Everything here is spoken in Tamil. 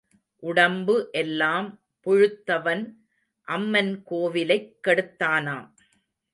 உடம்பு எல்லாம் புழுத்தவன் அம்மன் கோவிலைக் கெடுத்தானாம்.